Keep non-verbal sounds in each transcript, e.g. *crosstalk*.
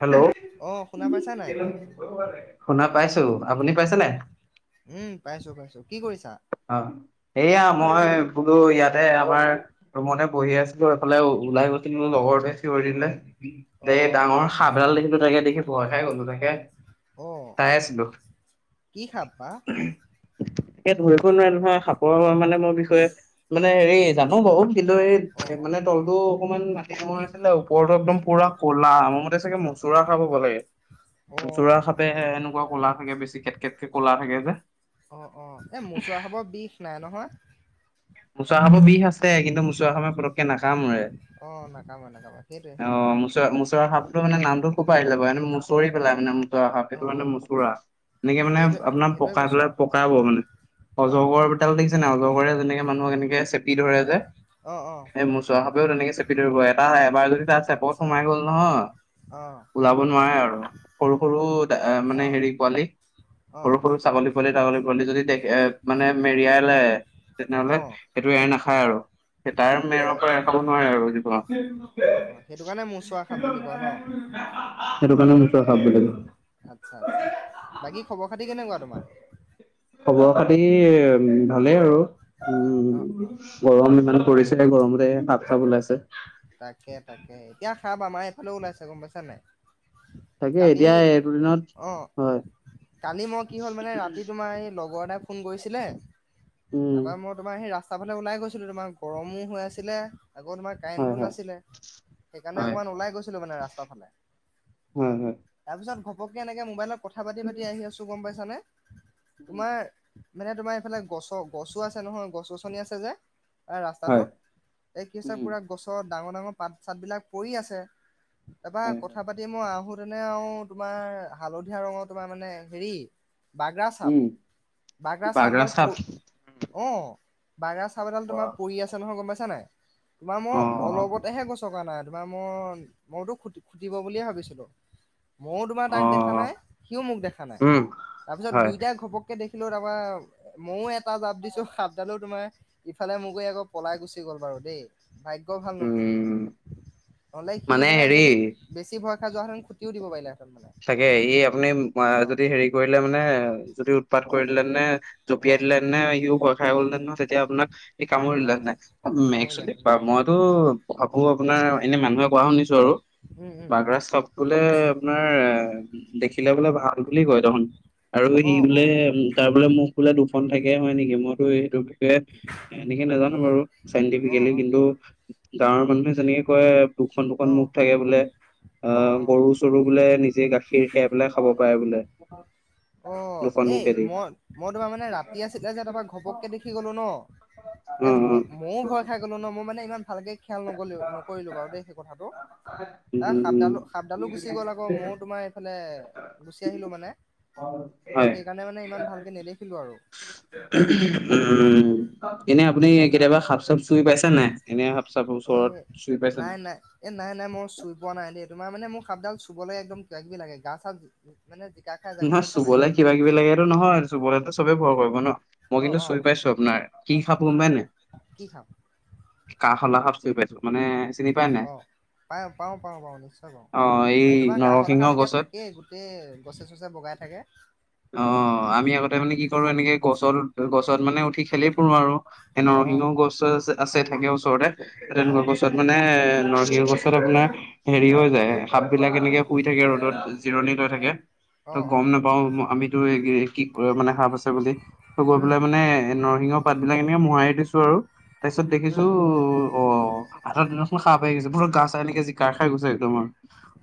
Hello, অ শুনা পাইছা নাই? ' শুনা পাইছো আপুনি পাইছে নাই। উম পাইছো পাইছো কি কৰিছ অ এইয়া মই বো ইয়াতে আমাৰ ৰুমতে বহি আছিলো এইফালে ওলাই গৈছিলো লগৰতোৱে চিঞৰিলে। অ এই অ অ ডাঙৰ সাপ এডাল দেখিলো তাকে দেখি ভয় খাই গলো তাকে। অ *unintelligible* কি সাপ বা *unintelligible* নহয় সাপৰ মানে মোৰ বিষয়ে মানে হেৰি জানো বাৰু। অ *unintelligible* অ মানে তলটো অকমান মাটি *unintelligible* ওপৰতো একদম পুৰা ক'লা মোৰ মতে চাগে মুচৰা খাব বহে। অ অ মূচুৰা সাপে অ এনেকুৱা কলা থাকে বেছি কেটকটকে ক'লা থাকে যে। অ অ এই মোচোৱা সাপৰ বিষ নাই নহয়। মুচুৱা সাপৰ বিষ আছে কিন্তু মুচুৱা খাবে পকে নাকামুৰে। অ নাকামে নাকামে সেইটোৱে সেইটোৱে অ মুচৰা মুচৰা সাপটো মানে নামটো *unintelligible* *unintelligible* সেইটো অ মানে মচুৰা এনেকে মানে সেইটো আপোনাৰ সেইটোৱে পকাই কৈছো পেলাই পকাব মানে। অ অ অজগৰ বিতাল দেখিছে ন অজগৰে যেনেকে মানুহক এনেকে চেপি ধৰে যে। অ অ অ এই মূচোৰা খাপেও তেনেকে চেপি ধৰিব এটা এবাৰ যদি তাত চেপত আচ্ছা সোমাই গ'ল নহয়। অ ওলাব নোৱাৰে আৰু সৰু সৰু অ মানে হেৰি পোৱালি অ অ সৰু সৰু ছাগলী পোৱলি ছাগলী পোৱলি যদি দে মানে মেৰিয়াই লে অ তেনেহ'লে সেইটো এৰ নাখায় আৰু স তাৰ আচ্ছা মেৰৰ পৰা এ আচ্ছা খাব নোৱাৰে আৰু অ সেইটো কাৰণে মোচোৰা সাপ বুলি কোৱা ন *unintelligible* সেইটো কাৰণে *unintelligible* আচ্ছা আচ্ছা বাকী খবৰ খাতি কেনেকুৱা তোমাৰ খবৰ খাতি ভালেই আৰু অ উম অ গৰম ইমান পৰিছে গৰমতে সাপ চাপ ওলাইছে তাকে এতিয়া খ ভ ওলাই চে গম পাইছা নাই তাকে কালি এতিয়া এইটো দিনত অ', হয় কালি মই কি হ'ল মানে ৰাতি তোমাৰ এই লগৰ এটাই ফোন কৰিছিলে উম তাৰ মই তোমাৰ সেই ৰাস্তা ফালে ওলাই গৈছিলো তোমাৰ গৰমো হৈ আছিলে আকৌ তোমাৰ হয় কাৰেণ্টটো হয় নাছিলে সেইকাৰণে হয় অকমান ওলাই গৈছিলো মানে ৰাস্তা ফালে হয় হয় পপকৈ এনেকৈ মোবাইলত কথা পাতি পাতি আহি আছোঁ গম পাইছানে উম তোমাৰ মানে তোমাৰ এইফালে গছ গছো আছে নহয় গছ গছনি আছে যে এ হয় ৰাস্তাটোত এই কি আছে উম পুৰা গছৰ ডাঙৰ ডাঙৰ পাত চাত বিলাক পৰি আছে তাৰপৰা হয় হয় কথা পাতি মই আহো নে আৰু তোমাৰ হালধীয়া ৰঙৰ তোমাৰ মানে হেৰি বাগ্ৰা চাব উম বাগ্ৰা চাব বাগৰা ডাল চাপ প অ বাগ্ৰা চাব এডাল অ তোমাৰ পৰি আছে নহয় গম পাইছা নাই তোমাৰ মই অ অলপতেহে গৈছো থকা নাই তোমাৰ মই মইতো খ খুটিব বুলিয়ে ভাবিছিলো মইো তোমাৰ অ তাক দেখা নাই সিও মোক দেখা নাই উম তাৰপিছত হয় দুইটাই ঘপককে দেখ লৈ তাপা ময়ো এটা জা সাপডালো তোমাৰ ইফালে ম গৈ আকৌ পলাই গুচি গ'ল বাৰু দেই ভাগয় ভাল নুখুতিলে উম নহলে সি মানে যদি বেছি ভ *unintelligible* চাকে ই আপুনি যদি হেৰি কৰিলে মানে যদি উৎপাত কৰিলে নানে জঁপিয়াই অ', দিলে নে সিও বয় খাই গ'লহ ন তেতিয়া আপোনাক স কামুৰিললে অ', ন এক কামুৰিলেহেঁতেন প হয় মইতো ভাবো আপোনাৰ এনে মানুহে কোৱা শুনিছো আৰু উম, উম, বাগ্ৰা চব বোলে আপোনাৰ দেখিলে বোলে ভাল বুলি কয় দেখোন আৰু সি অ', বোলে অ'। উ তাৰ বোলে মখ বোলে দু খন থাকে হয় নেকি মইতো এইেইটো এনেকে নাজানো অ', বাৰু অ', চাইণ্টিফিকেলি কিন্তু গাঁৱৰ মানুহে যেনেকে কয় দুখন দুখন অ', মুখ থাকে বোলে অ গৰু চৰু বোলে নিজে গাখীৰ খাই পেলাই খাব পাৰে বোলে অ দুখন এই মুখেদি মই মই তোমাৰ মানে ৰাতি আছিলে যে তোমাৰ ঘপককে দেখি গলো ন ন অ ম অ মইও ভয় খাই গলো ন মই মানে ইমান ভালকে খেয়াল লব লাগিব বাৰু দেই নকৰিলো সেই কথাটো উম এ উম সাপডালো সাপডালো গুচি গ'ল আকৌ মইো তোমাৰ এইফালে গুচি আহিলো মানে হয় সেইকাৰণে মানে ইমান ভালকে নেদেখিলো আৰু উম, এনে আপুনি কেতিয়াবা সাপ চাপ চুই পাইছে নাই? এনে চাপ এ ওচৰত চুই পাইছে নাই, নাই, এ নাই, নাই, মই চুই পোৱা নাই দেই, তোমাৰ মানে মোক সাপডাল চুবলৈ একদম কিবা কিবি লাগে গা চা মানে জিকা খাই যায় গম নহয় পাইছা নাই চুবলে কিবা কিবি লাগেটো নহয়, চুবলেটো চবে ভয় কৰিব ন। মই অ কিন্তু অ চুই পাইছো আপোনাৰ, কি সাপ গম পাই নাই? কি খাম কাহহলা সাপ চুই পাইছো, মানে চিনি পাই নাই? অ পাওঁ পাওঁ পাওঁ পাৰ নিশ্চয় পাওঁ, অ এই এ তোমাৰ গাহলা নৰসিংহ সাপ এতিয়া গছত থাকেই গোটেই গছে চছে বগাই থাকে অ আমি আগতে অ মানে কি কৰো এনেকে গছত গছত মানে উঠি খেলি ফুৰো আৰু, এ অ অ নৰসিং গছছে আছে থাকে ওচৰতে। এ অ তেনেকুৱা গছত মানে নৰসিংহ গছত আপোনাৰ হেৰি হৈ যায় সাপবিলাক অ এনেকে শুই থাকে ৰ'দত জিৰণি লৈ থাকে, ত অ অ গম নাপাওঁ আমিতো এই কি মানে সাপ আছে বুলি, ত গৈ উম পেলাই মানে নৰসিংহৰ পাত বিলাক এনেকে মোহাৰি দিছো আৰু তাৰপিছত দেখিছো উম অ *unintelligible* সাপ আহি গৈছে ভয়ত গা সেনেকে জোকাৰ খায় গৈছে একদম আৰু,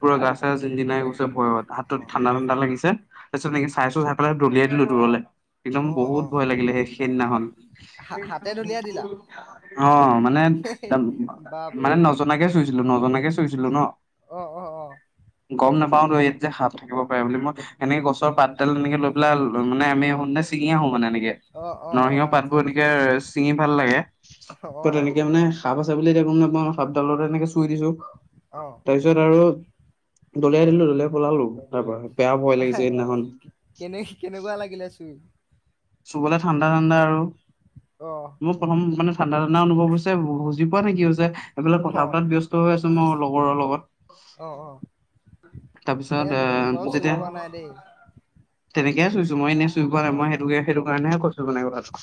পোৰা গা চা জিঞ্জিনাই গৈছে ভয়ত, হাতত ঠাণ্ডা ঠডা তাৰপিছত এনেকে চাইছো চাই পেলাই দলিয়াই দিলো দূৰলে। একদম অ অ অ বহুত ভয় লাগিলে সেই সেইদিনাখন, হা হাতে দলিয়াই দিলা *inaudible* অঁ মানে মানে বাপৰে নজনাকে চুইছিলো নজনাকে চুছিলো ন, অ অ অ গম নাপাও টো ইয়াত যে সাপ থাকিব পাৰে বুলি মই সেনেকে গছৰ অ পাতডাল এনেকে লৈ পেলাই মানে আমি আহোঁতে ছিঙি আহো মানে এনেকে। অ অ অ নৰসিংহ আচ্ছা পাতবোৰ আচ্ছা এনেকে চিঙি ভাল লাগে, ত অ অ তেনেকে মানে সাপ আছ আছে বুলি এতিয়া গম নাপাওঁ, সাপডালতে এনেকে চুই দিছো অ তাৰপিছত আৰু দলিয়াই দিলো দলিয়াই পলালো। তাৰ পৰা বেয়া ভয় লাগিছে সেইদিনাখন কেনে কেনেকুৱা লাগিলে চুই? চুবলে ঠাণ্ডা ঠাণ্ডা আৰু। অ। মোৰ প্ৰথম মানে ঠাণ্ডা ঠাণ্ডা অনুভৱ হৈছে বুজি পোৱা নাই কি হৈছে, এফালে অ কথা পতাত ব্যস্ত হৈ আছো মই লগৰৰ লগত অ অ তাৰপিছত সেই এ মই বাও চুই পোৱা নাই দেই তেনেকে চোইছো মই এনেই পোৱা নাই অ মই সেইটোকে সেইটো কাৰণে হে কৈ ছো মানে কথা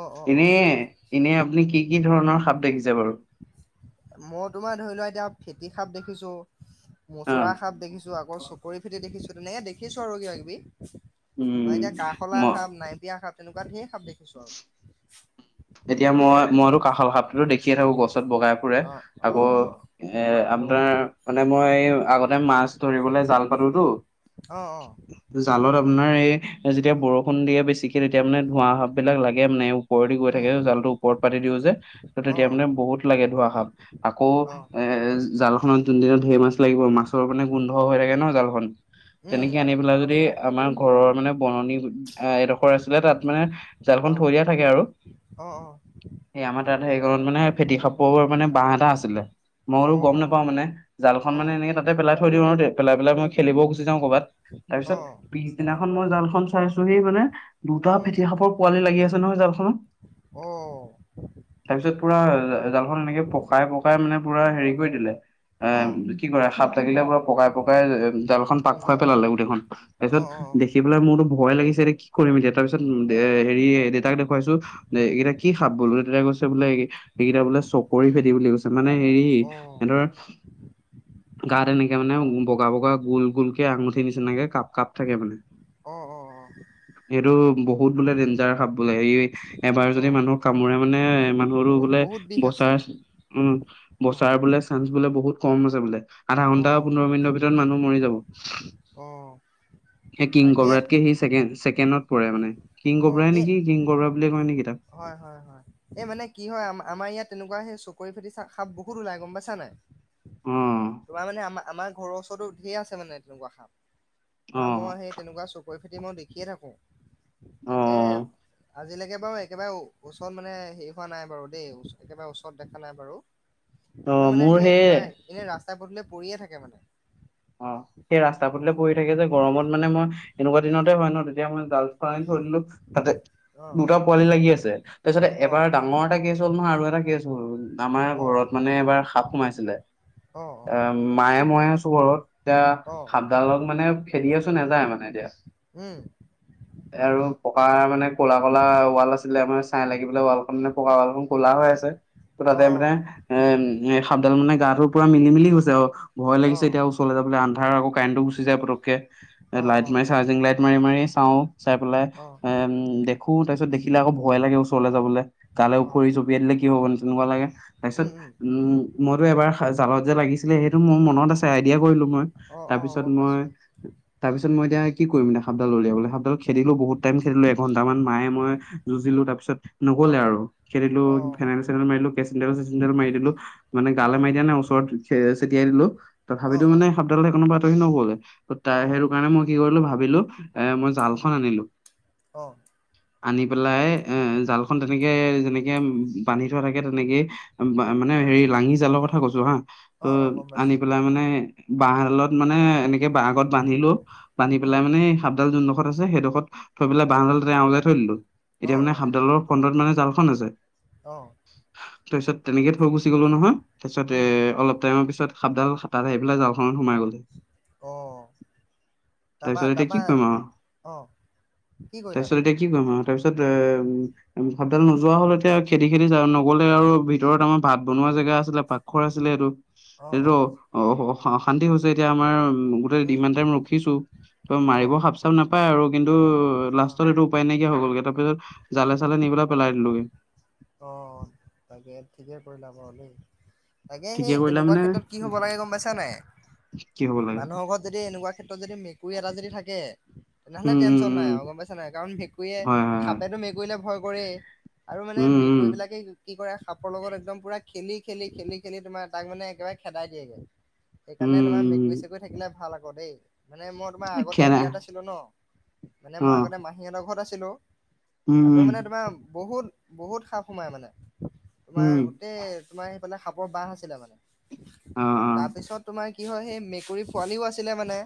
অ অ অ এনে এনে আপুনি কি কি ধৰণৰ সাপ দেখিছে বাৰু মই তোমাৰ ধৰি লোৱা এতিয়া ফেটি খাপ দেখিছো অ মচুৰা সাপ দেখিছো আকৌ চকৰি ফেটি দেখিছো তেনেকে দেখিছো আৰু কিব কিবি মই উম এতিয়া কা ম হলা সাপ নাইবিয়া সাপ তেনেকুৱা ধেৰ সাপ দেখিছো আৰু এতিয়া মই মইতো কাষল খাপ টো দেখিয়ে থাকো গছত বগাই ফুৰে অ অ আকৌ অ এ আপোনাৰ মানে মই আগতে মাছ ধৰিবলে জাল পাতোতো অ অ জালত আপোনাৰ এই যেতিয়া বৰষুণ দিয়ে বেছিকে তেতিয়া মান ধোঁৱা সাপ বিলাক লাগে মানে ওপৰে দি উম থাকে উম জাল টো ওপৰত পাতি দিও যে, ত অ তেতিয়া মানে বহুত লাগে ধোৱা সাপ আকৌ অ এ জালখনত জোন দিনত ঢেৰ মাছ লাগিব মাছৰ মানে গোন্ধ হৈ থাকে ন জালখন উম তেনেকে আনি পেলাই যদি আমাৰ ঘৰৰ মানে বননি এডোখৰ আছিলে তাত মানে জালখন থৈ দিয়া থাকে আৰু অ অ সেই আমাৰ তাত সেৰি খনত মানে ফেটি খাপ মানে বাহ এটা আছিলে মইতো গম নাপাও অ মানে জালখন অ মানে এনেকে তাতে পেলাই থৈ দিওঁ আৰু পেলাই পেলাই মই খেলিব গুচি যাও কৰবাত অ অ তাৰপিছত পিছদিনাখন মই জালখন চাইছো সি মানে দুটা উম ফেটি সাপৰ পোৱালি লাগি আছ ছে নহয় জালখনত অ তাৰপিছত পুৰা জালখন এনেকে পকাই পকাই মানে পুৰা হেৰি কৰি দিলে এ অ কি কৰে সাপ থাকিলে পুৰা পকাই পকাই জালখন পাক উম খুৱাই পেলালে গোটেইখন অ অ তাৰপিছত দেখি পেলাই মোৰতো ভয় লাগিছে এ কি কৰিম এতিয়া তাৰপিছত এ হেৰি দেউতাক দেখুৱাইছো এতিয়া কি খাব বল বোলে তেতিয়া কৈছে বোলে এইকেইটা বোলে চকৰি ফেটি বুলি কৈছে মানে হেৰি অ অ সিহঁতৰ গা তেনেকে ে মানে বগা বগা গোল গোল কেে আঙুঠি নিচিনাকে কাপ কাপ থাকে মানে অ অ এইেইটো বহুত বোলে ডেঞ্জাৰ খাব বোলে হে এবাৰ অ যদি মানুহক কামোৰে মানে মানুহো বহু বোলে বহুত বিষ আছে বচাৰ উ অ বচাৰ বোলে চান বোলে বহুত কম আছে বোলে আধা অ ঘন্টা পোন্ধৰ মিনিটৰ ভিতৰত মানুহ মৰি যাব অ স কিং তাকে কবৰাতকে সিকে ছেকেণ্ডত পই মানে কিং অ গবৰাই এ নেকি কিং গগবৰা বুলি কয় নেকি তাক হয় হয় হয় এই মানে কি হয় আ আমাৰ ইয়াত তেনেকুৱা সেই চ কৰি ফেটি সাপ বহুত ওলাই গম পাইছা নাই অ তমাৰ মানে আ আমাৰ ঘৰৰ ওচৰতো ধঢেৰ আছে মানে তেনেকুৱা খাম অ বামাৰ মই সেই তেনেকুৱা চ কৈ ফেটি মই দেখিয়ে থাকোঁ অ তাকে আজিলৈকে বাৰু একেবাৰে ওচৰত মানে হেৰি হোৱা নাই বাৰু দেই একেবাৰে ওচৰত দেখা নাই বাৰু অ কিন্তু মানে মোৰ সেই তোমাৰ এনে ৰাস্তা পদূে পৰিয়ে থাকে মানে অ সেই ৰাস্তা অ ফটে পৰি থাকে যে গৰমত মানে মই এনেকুৱা উম দিনতে হয় ন তেতিয়া মই জাল ধলো তাতে অ দুটা পোৱালি লাগি আছে তাৰ পিছতে অ এবাৰ ডাঙৰ এটা ল নহয় আৰু এটা কি আছ আমাৰ অ ঘৰত মানে এবাৰ সাপ সোমাইছিলে অ মায়ে ময়ে আছো ঘৰত এতিয়া অ অ সাপডালত মানে খেদি আছো নাযায় মানে এতিয়া উম আৰু পকা মানে ক'লা ক'লা ৱাল আছিলে মানে চাই লাগিেলাই ৱালখন মানে পকা ৱাল খখন ক'লা হৈ আছে ত অ তাতে মানে এ এ সাপডাল মানে গাটোৰ পুৰা মিলি মিলি গছে আৰু ভয় অ অ লাগিছে এতিয়া ওচৰলৈ আন্ধাৰ আকৌ কাৰেণ্টো গুচি যায় পটককে অ লাইট মাৰি চাৰ্জিং লাইট মাৰি মাৰি চাওঁ চাই পেলাই অ অ এ দেখো তাৰপিছ দেখিলে আকৌ ভয় লাগে ওচৰলৈ যাবলৈ কালে অ উফৰি চপিয়াই দিলে কি হ'বানে তেুৱ লে তাৰপিছত উম মইতো এবাৰ জালত যে লাগিছিলে সেইটো মোৰ মনত খিয়া কৰিলো মই অ তাৰ অ পিছ গম মই পাইছো তপিছত মই এতিয়া কি কৰিম এয়া সাপডাল উলিয়াব গ সাপডাল খেদিলো বহুত াইম খেলিলো এ দুটামান মায়ে মই যুঁজিলো তাৰ পিত অ নক'লে আৰু খেদিলো অ', ফেনেল চেনোইল মাৰিলো কে চ মাৰি দিলো মানে গাল অ', মাৰ দিয়া নে ওচৰত চেটিয়াই দিলো ত অ', ভাবিতো মানে অ', সাপ্তালতে কোনোব পৰা আতৰি নকলে ত তাই সেইটো অ', কাৰণে মই কি কৰিলো ভাবিলো এ মই উম, জালখন আনিলো অ', আনি পেলাই এ জালখন খন তেনেকে যেনেকে উ বান্ধি থোৱা থাকে তেনেকে মানে হেৰি লাঙি জালৰ উম, কথা কৈছো হা ত অ', অ', গম আনি পাইছোঁ, পেলাই মানে বাহডালত মানে এনেকে বাহ আগত বান্ধিিলো বান্ধি পেলাই উম, মানে সালোনডোখত আছেেইডোখত থৈেলাই বাহহডালতে আওলাই থৈ দিলো এতিয়া অ', মানে অ', সাপডালৰ খন্দডত মানে জালখন আছে অ', তাৰপিছত তেনেকে থৈ গুচি গ'লো নহয় তাৰপিছত এ উম, অলপ টাইমৰ পিছত খাপডাল খাতাত আহি পেলাই জালখনত সোমাই গলে অ', তাৰপা তাৰপিছত এতিয়া কি তাৰপা কৰিম আৰু অ', কি কৰিলা তাৰপিছত তাৰপা? এতিয়া কি কৰিম আৰু তাৰ পিছত উম ভাতডাল নোযোৱা হল এতিয়া খেতি খেতি নগলে আৰু ভিতৰত আমাৰ ভাত বনোৱা জেগা আছিলে পাকৰ আছিলে এইটো সেইটো অ অশান্তি হৈছে এতিয়া আমাৰ গোটেই উম, ইমান টাইম ৰখিছো তই মাৰিব অ', সাপ চাপ নাপায় আৰু কিন্তু অ', লাষ্টত এইটো উপায় নাইকিয়া হৈ গ'লগে তাৰ পিছত জালে চালে নি পেলাই পেলাই দিলোগে অ তাকে ঠিকে কৰিলা ব হ' দেই তাকে ঠিকে সেই কৰিলা এনেকুৱা মানে ক্ষেত্ৰত কি হব লাগে গম পাইছা নাই কি হ'ব লাগে মানুহৰ ঘৰত যদি এনেকুৱা ক্ষেত্ৰত যদি মেকুৰী এটা যদি থাকে তেনেহ'লে উম উম টেনশ্যন নাই উম আৰু গম পাইছা নাই কাৰণ মেকুৰীয়ে হয় হয় হয় খাপেতটো মেকুৰীলে ভয় কৰে আৰু মানে উম উম মেকুৰী বিলাকে কি কৰে সাপৰ লগত একদম পুৰা খেলি খেলি খেলি খেলি তোমাৰ তাক মানে একেবাৰে খেদাই দিয়েগে। সেইকাৰণে তোমাৰ মেকুৰী উম চেকুৰী থাকিলে ভাল আকৌ দেই মানে মই উম তোমাৰ এই আগতে খেলা হেৰিয়াতে আছিলো ন। মানে অ মই আগতে মাহীহঁতৰ ঘৰত আছিলো উম তাতো উম মানে তোমাৰ বহুত-বহুত স সোমাই মানে তোমাৰ উম গোটেই তোমাৰ সেইফালে সাপৰ বাহ আছিলে মানে অ অ তাৰপিছত তোমাৰ কি হয় সেই মেকুৰী পোৱালিও আছিলে মানে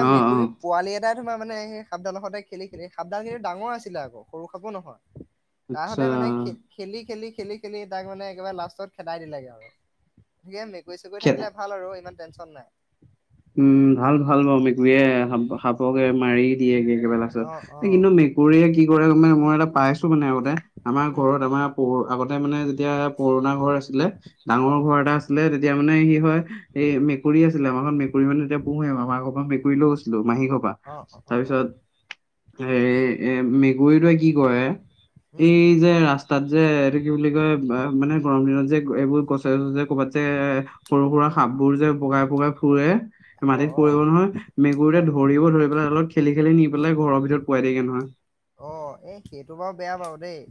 অ অ মেকুৰীৰ পোৱালি এটা তোমাৰ মানে সধালতে খি খেলি সাবধান খেলি ডাঙৰ আছিলে আকৌ সৰু খাব নহয়। আচ্ছা, খেলি-খেলি-খেলি-খেলি তাক মানে একেবাৰে লাষ্টত খেদাই দিলেগে আৰু সে গৈ চগৈ খে থাকিলে ভাল আৰু ইমান টেনচন নাই। উম, ভাল-ভাল বাৰু মেকুৰীয়ে সাপকে মাৰি দিয়েগে একেবাৰে অ অ লাষ্টত। কিন্তু মেকুৰীয়ে কি কৰে মানে মই এটা পাইছো। মানে আগতে, আমাৰ উম ঘৰত আমাৰ প আগতে মানে যেতিয়া পুৰণা ঘৰ আছিলে, অ ডাঙৰ ঘৰ। এটা আছিলে। তেতিয়া মানে কি হয়? এই মেকুৰী আছিলে। আমাৰখন মেকুৰী মানে তেতিয়া পোহে। আমাৰ ঘৰপৰা মেকুৰীলৈ গৈছিলোঁ। মাহী ঘৰপা। অ অ অ অ তাৰপিছত এ-এ মেকুৰীটোৱে কি কৰে? উম এই যে ৰাস্তাত যে, এইটো কি বুলি কয় মানে গৰম দিনত যে। এইবোৰ গছে চছে ক'বাতযে এ সৰু সুৰা উম সাপ বোৰ যে বগাই বগাই ফুৰে। অ মাটিত অ পৰিব নহয়, অ মেকুৰীটোৱে ধৰিব, ধৰি পেলাই অলপ খেলি খেলি নি পেলাই ঘৰৰ ভিতৰত পোৱাই দিয়েগে নহয়। অ' এ সেইটো বাৰু বেয়া বাৰু দেই।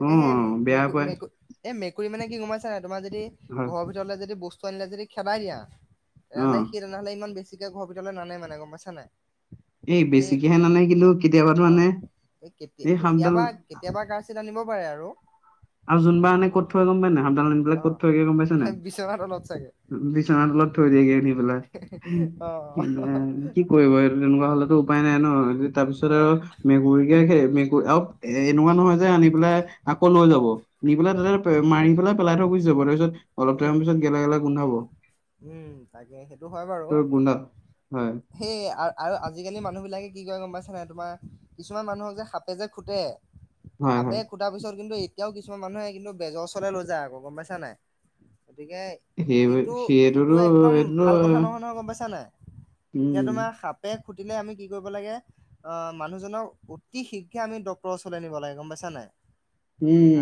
অ তাকে সেই বেয়া মেকু পায় মেকুৰী এ মেকুৰী মানে কি গম পাইছানে নাই? তোমাৰ যদি হয় ঘৰৰ ভিতৰলৈ যদি বস্তু আনিলে যদি খেদাই দিয়া, অ তেনেহ'লে সি তেনেহ'লে ইমান বেছি। কে ঘৰৰ ভিতৰলে নানে মানে গম পাইছানে নাই? এই তুমি বেছিকেহে নানে কিন্তু কেতিয়াবাতো আনে অ' এই কে কেত কেতিয়াবা কেতিয়াবা কৰ্ছিত আনিব পাৰে আৰু। আৰু যোনবাৰ এনে ক'ত থয় গম পা নাই? সাঁপডাল আনিপেলাই অ ক'ত থয়গে গম পাইছা নে নাই? বিচনা তলত চাগে বিচনাৰ তলত থৈ দিয়েগে। পেলাই। অ', এ কি কৰিব এই তেনেকুৱা হলেতো উপায় নাই ন তাৰপিছত অ আৰু মেকুৰীকে সেই আৰু, এনেকুৱা নহয় যে আনি পেলাই আকৌ লৈ অ যাব। নি পেলাই তাতে মাৰি পেলাই পেলাই থৈ গুচি যাব। তাৰ পিছত অলপ উম টাইম পিছত গেলা গেলা গোন্ধাব। উম, তাকে সেইটো হয় বাৰু। ত গোন্ধা হয় সেইয়ে। আৰু আজিকালি মানুহ বিলাকে কি কয় গম পাইছা নাই? তোমাৰ কিছুমান মানুহক যে সাপে যে খুটে, হয় সাপে হয় খুটাৰ পিছত কিন্তু এতিয়াও কিছুমান মানুহে কিন্তু বেজৰ ওচৰলৈ লৈ যায়। আকৌ গম পাইছা নাই? গতিকে সেই সেইটো সেইটো সেইটোতো একদম এইটোতো ভাল কথা নহয় নহয় গম পাইছা নাই? এতিয়া উম তোমাৰ সাপে খুটিলে আমি কি কৰিব লাগে? অ' মানুহজনক অতি শীঘ্ৰে আমি ডক্তৰৰ ওচৰলৈ নিব লাগে গম পাইছা নাই?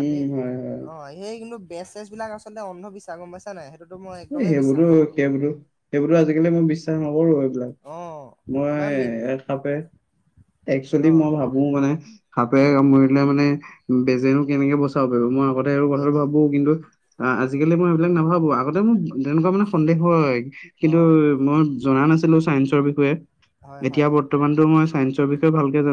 আমি হয়-হয়। অ সেই কিন্তু বেজ চেজ বিলাক আচলতে অন্ধবিশ্বাস গম পাইছে নাই? সেইটোটো মই একদমে বিচ সেইবোৰো, সেইবোৰো আজিকালি মই বিশ্বাস নকৰো এইবিলাক। অ তোমাৰ মৃত মই সাপে, একচুৱেলি অ মই ভাবো মানে সাপে উম কামুৰিলে মানে, বেজেনো কেনেকে বচাব পাৰিব? মই আগতে আৰু কথাটো সেইটোৱে ভাবো। কিন্তু অ উম আজিকালি মই সেইবিলাক নাভাবো আগতে মোৰ তেনেকুৱা মানে সন্দেহ হয়। অ কিন্তু মই জনা নাছিলো চাইন্সৰ বিষয়ে। হয় এতিয়া হয় বৰ্তমানতো মই চাইন্স বিষয়ে ভালকে জানো।